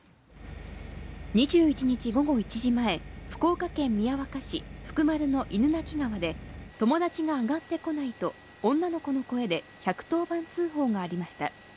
２１日午後１時前、福岡県宮若市福丸の犬鳴川で、友達が上がってこないと、女の子の声で１１０番通報がありました。